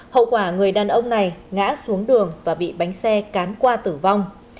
hậu quả người đàn ông này ngã xuống đường và bị bánh xe cán qua tử vong